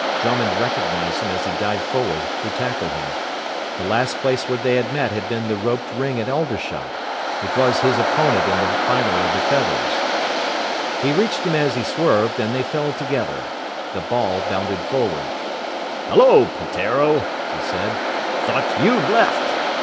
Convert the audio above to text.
Drummond recognised him as he dived forward to tackle him. The last place where they had met had been the roped ring at Aldershot. It was his opponent in the final of the Feathers. He reached him as he swerved, and they fell together. The ball bounded forward. "Hullo, Peteiro," he said. "Thought you'd left."